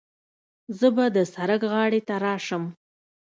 زه به د سړک غاړې ته راسم.